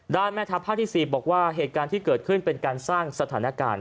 แม่ทัพภาคที่๔บอกว่าเหตุการณ์ที่เกิดขึ้นเป็นการสร้างสถานการณ์